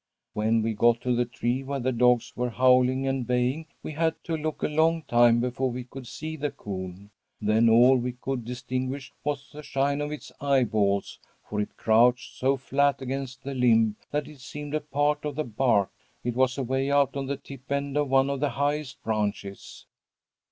When we got to the tree where the dogs were howling and baying we had to look a long time before we could see the coon. Then all we could distinguish was the shine of its eyeballs, for it crouched so flat against the limb that it seemed a part of the bark. It was away out on the tip end of one of the highest branches.